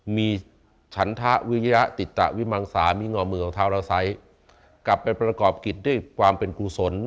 มีฉันทะวิยะติตะวิมังสามีงอมมือของทาวราษัยกลับเป็นประกอบกิจด้วยความเป็นกุศล